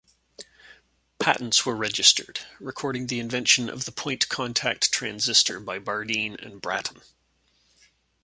Patents were registered, recording the invention of the point-contact transistor by Bardeen and Brattain.